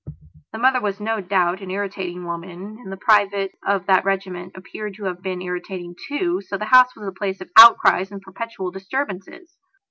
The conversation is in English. The mother was no doubt an irritating woman and the privates of that regiment appeared to have been irritating, too, so that the house was a place of outcries and perpetual disturbances.